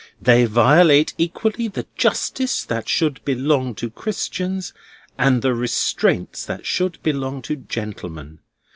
They violate equally the justice that should belong to Christians, and the restraints that should belong to gentlemen.